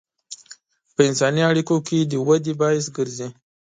په انساني اړیکو کې د ودې باعث ګرځي.